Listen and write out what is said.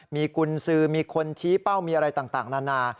มีกุญสือมีคนชี้เป้ามีอะไรต่างนานา